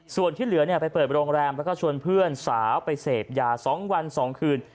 ส่วนที่เหลือไปเปิดโรงแรมแล้วก็ชวนเพื่อนสาวไปเสพยา๒วัน๒คืน